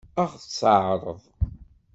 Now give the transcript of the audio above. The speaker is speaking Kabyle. Ad ɣ-tt-teɛṛeḍ?